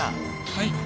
「はい」